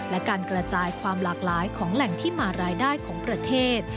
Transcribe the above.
และการกระจายความหลากหลายของแหล่งที่มารายได้ของประเทศ